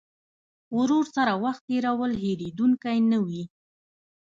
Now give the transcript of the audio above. ورور سره وخت تېرول هېرېدونکی نه وي.